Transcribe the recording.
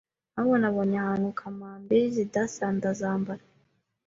ahubwo nabonye ahantu kamambiri zidasa ndazambara